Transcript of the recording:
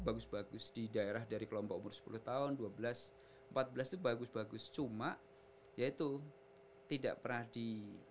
bagus bagus di daerah dari kelompok umur sepuluh tahun dua belas empat belas itu bagus bagus cuma yaitu tidak pernah di